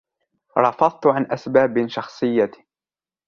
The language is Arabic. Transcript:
رفضت عن أسباب شخصية.